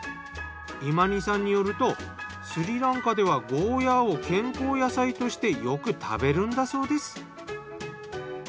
イマニさんによるとスリランカではゴーヤーを健康野菜としてよく食べるんだそうです。